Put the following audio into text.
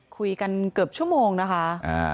คุยกันเกือบชั่วโมงนะคะ